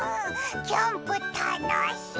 キャンプたのしい！